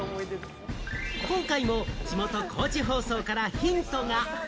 今回も地元・高知放送からヒントが。